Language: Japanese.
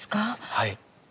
はい。